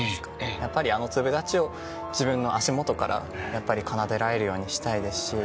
やっぱりあの粒立ちを自分の足元から奏でられるようにしたいですし。